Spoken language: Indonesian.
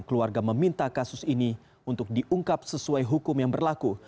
keluarga meminta kasus ini untuk diungkap sesuai hukum yang berlaku